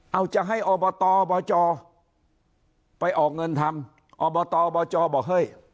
เอาจะให้อบตอบจไปออกเงินทำอบตอบจบอกเฮ้ย